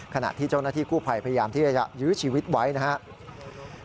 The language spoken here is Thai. ขณะที่เจ้าหน้าที่กู้ภัยพยายามที่จะยื้อชีวิตไว้นะครับ